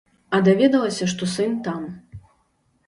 А даведалася, што сын там.